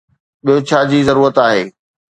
ٻيو ڇا جي ضرورت آهي؟